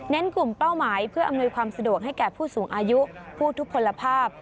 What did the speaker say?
กลุ่มเป้าหมายเพื่ออำนวยความสะดวกให้แก่ผู้สูงอายุผู้ทุกคนภาพ